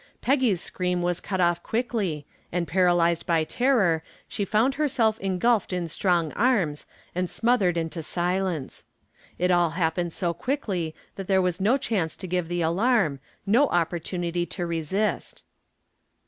Peggy's scream was cut off quickly, and paralyzed by terror, she felt herself engulfed in strong arms and smothered into silence. It all happened so quickly that there was no chance to give the alarm, no opportunity to resist.